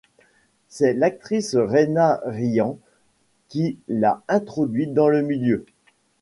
C'est l'actrice Renna Ryann qui l'a introduite dans le milieu.